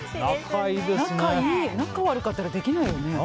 仲悪かったらできないよね。